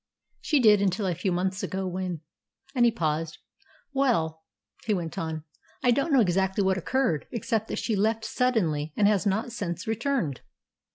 "She did until a few months ago, when " and he paused. "Well," he went on, "I don't know exactly what occurred, except that she left suddenly, and has not since returned."